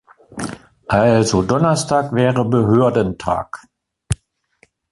Also Donnerstag wäre Behördentag.